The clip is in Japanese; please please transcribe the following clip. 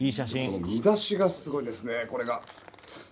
見出しがすごいですね。